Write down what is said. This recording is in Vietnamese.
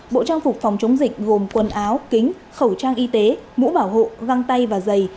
bộ trang phục phòng chống dịch gồm quần áo kính khẩu trang y tế mũ bảo hộ găng tay và dày